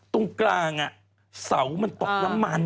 ตรงกลางเสามันตกน้ำมัน